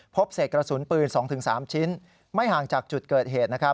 เศษกระสุนปืน๒๓ชิ้นไม่ห่างจากจุดเกิดเหตุ